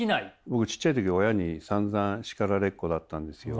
僕ちっちゃい時親にさんざん叱られっ子だったんですよ。